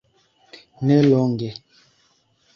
nelonge